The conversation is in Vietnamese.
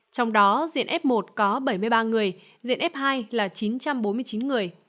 trong đó diện f một có bảy mươi ba người diện f hai là chín trăm bốn mươi chín người